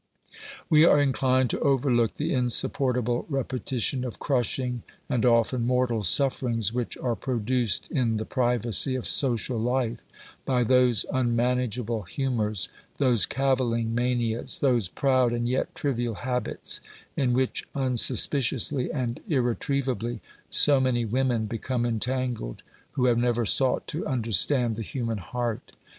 We are inclined to overlook the insupportable repeti tion of crushing and often mortal sufferings which are produced in the privacy of social life by those un manageable humours, those cavilling manias, those proud and yet trivial habits, in which, unsuspiciously and irre trievably, so many women become entangled who have never sought to understand the human heart.